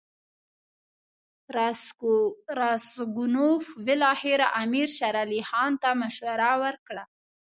راسګونوف بالاخره امیر شېر علي خان ته مشوره ورکړه.